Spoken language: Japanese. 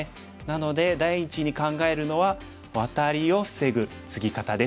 なので第一に考えるのはワタリを防ぐツギ方です。